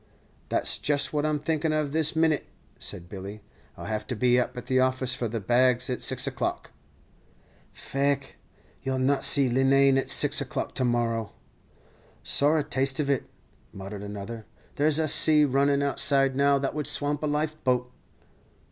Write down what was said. "Then that's just what I'm thinking of this minit," said Billy. "I'll have to be up at the office for the bags at six o'clock." "Faix, you 'll not see Leenane at six o'clock to morrow." "Sorra taste of it," muttered another; "there's a sea runnin' outside now that would swamp a life boat."